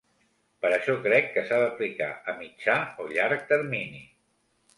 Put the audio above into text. Per això crec que s’ha d’aplicar a mitjà o llarg termini.